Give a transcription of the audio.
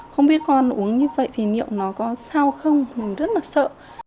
không biết con uống như vậy thì niệm nó có sao không mình rất là sợ